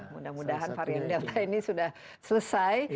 mudah mudahan varian delta ini sudah selesai